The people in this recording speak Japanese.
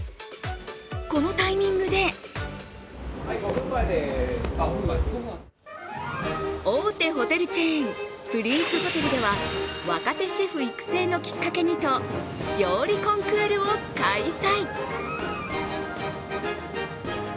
このタイミングで大手ホテルチェーン、プリンスホテルでは若手シェフ育成のきっかけにと料理コンクールを開催。